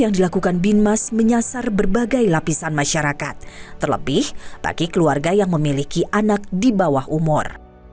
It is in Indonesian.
yang dilakukan binmas menyasar berbagai lapisan masyarakat terlebih bagi keluarga yang memiliki anak di bawah umur